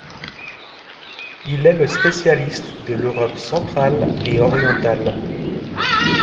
Il y est le spécialiste de l'Europe centrale et orientale.